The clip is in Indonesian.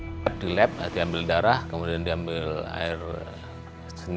itu juga tidak ada di lab diambil darah kemudian diambil air seninya